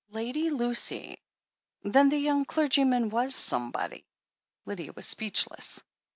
"Lady Lucy!" Then the young clergyman was "somebody." Lydia was speechless.